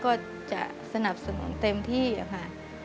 ก็จะสนับสนุนเต็มที่ค่ะ